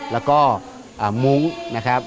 แล้วก็มุ้งนะครับ